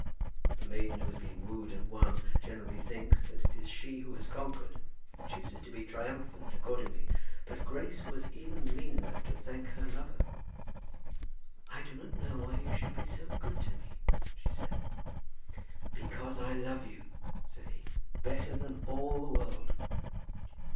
A maiden who has been wooed and won, generally thinks that it is she who has conquered, and chooses to be triumphant accordingly. But Grace was even mean enough to thank her lover. "I do not know why you should be so good to me," she said. "Because I love you," said he, "better than all the world."